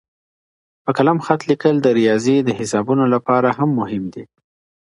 په قلم خط لیکل د ریاضي د حسابونو لپاره هم مهم دي.